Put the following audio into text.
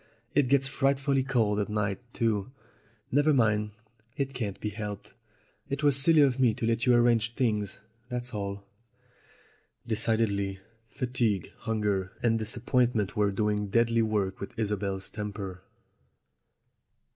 It gets frightfully cold at night too. Never mind; it can't be helped. It was silly of me to let you arrange things, that's all." Decidedly, fatigue, hunger, and disappointment were doing deadly work with Isobel's temper.